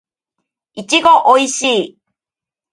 いちごおいしい